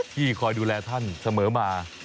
ที่คอยดูแลท่านเสมอมา